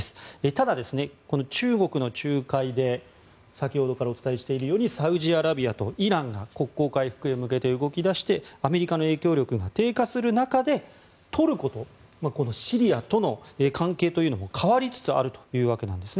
ただ、中国の仲介で先ほどからお伝えしているようにサウジアラビアとイランが国交回復に向けて動き出してアメリカの影響力が低下する中でトルコとシリアとの関係も変わりつつあるわけなんです。